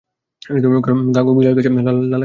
গাঙু, বিলাল গেছে লালাকে ডাকতে।